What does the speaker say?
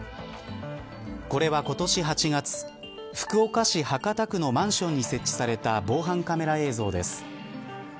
これは、今年８月福岡市博多区のマンションに設置された防犯カメラ映像です。